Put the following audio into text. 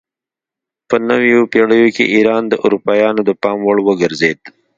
په نویو پیړیو کې ایران د اروپایانو د پام وړ وګرځید.